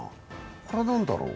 これは何だろう？